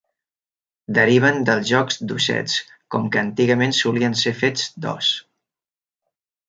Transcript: Deriven dels jocs d'ossets com que antigament solien ser fets d'os.